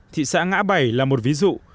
thị xã ngã bảy là một ví dụ